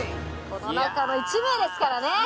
この中の１名ですからね。